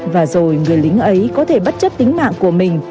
và rồi người lính ấy có thể bất chấp tính mạng của mình